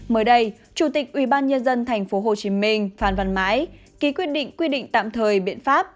mới đây chủ tịch ubnd tp hcm phan văn mãi ký quyết định quy định tạm thời biện pháp